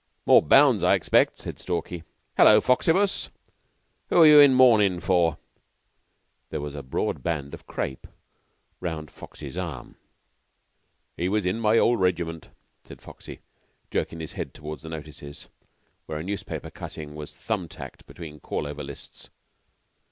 "More bounds, I expect," said Stalky. "Hullo, Foxibus, who are you in mournin' for?" There was a broad band of crape round Foxy's arm. "He was in my old regiment," said Foxy, jerking his head towards the notices, where a newspaper cutting was thumb tacked between call over lists.